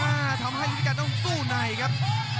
อ่าทำให้ฤทธิไกรต้องสู้ในครับ